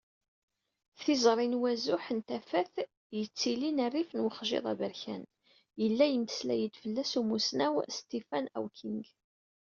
Tiẓri n wazuḥ n tafat i yettilin rrif uxjiḍ aberkan, yella yemmeslay-d fell-as umussnaw Stephen Hawking.